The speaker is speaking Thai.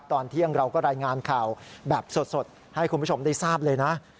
ตอนเที่ยงเราก็รายงานข่าวแบบสดให้คุณผู้ชมได้ทราบเลยนะ